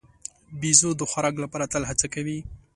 بیزو د خوراک لپاره تل هڅه کوي.